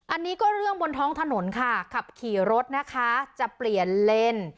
อันนี้ก็เรื่องบนท้องถนนค่ะขับขี่รถนะคะจะเปลี่ยนเลน